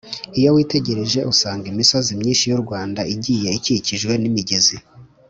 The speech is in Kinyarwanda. iyo witegereje usanga imisozi myinshi y’u rwanda igiye ikikijwe n’imigezi,